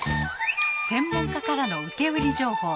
専門家からの受け売り情報。